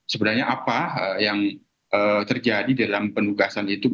sebenarnya apa yang terjadi dalam penugasan itu